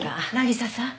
渚さん